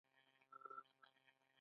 مېز له قالینې سره ښایسته ښکاري.